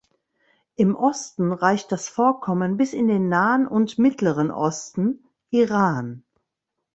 Im Osten reicht das Vorkommen bis in den Nahen und Mittleren Osten (Iran).